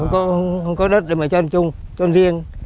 không có đất để mà trôn trung trôn riêng